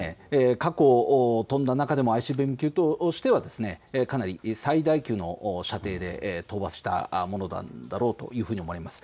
過去飛んだ中でもＩＣＢＭ級としてはかなり最大級の射程で飛ばしたものだと思われます。